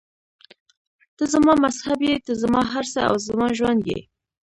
ته زما مذهب یې، ته زما هر څه او زما ژوند یې.